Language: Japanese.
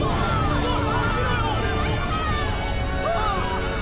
うわっ！